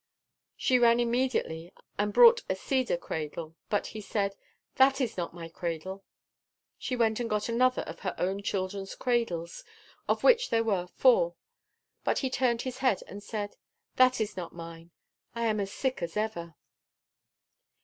She ran immediately and brought a cedar cradle; but he said: "That is not my cradle." She went and got another of her own children's cradles, of which there were four; but he turned his head and said: "That is not mine; I am as sick as ever."